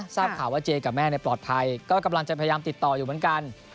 ทราบข่าวว่าเจกับแม่ปลอดภัยก็กำลังจะพยายามติดต่ออยู่เหมือนกัน